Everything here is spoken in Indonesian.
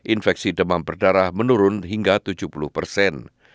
infeksi demam berdarah menurun hingga tujuh puluh persen